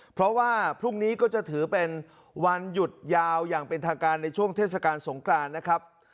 เพราะว่าพรุ่งนี้ก็จะถือเป็นวันหยุดยาวอย่างเป็นทางการในช่วงเทศกาลสงกรานนะครับ